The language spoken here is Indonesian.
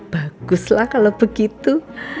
baguslah kalau begitu